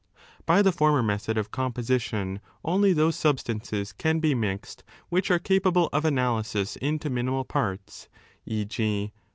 ^ By the former method of com position only those substances can be mixed which are capable of analysis into minimal parts, eg.